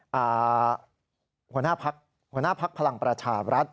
หัวหน้าพักหัวหน้าพักพลังประชาบรัฐ